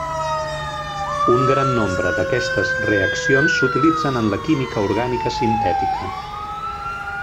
Un gran nombre d'aquestes reaccions s'utilitzen en la química orgànica sintètica.